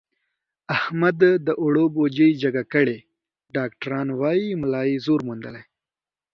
احمد د اوړو بوجۍ جګه کړې، ډاکټران وایي ملا یې زور موندلی.